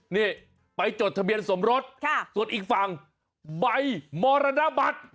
นี่ไปจดทะเบียนสมรสส่วนอีกฝั่งใบมรณบัตร